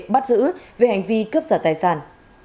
bắt giữ về hành vi cướp giật tài sản